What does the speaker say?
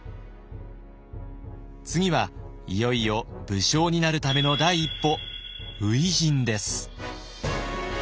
次はいよいよ武将になるための第一歩初陣です。